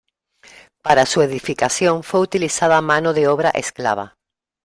Para su edificación fue utilizada mano de obra esclava.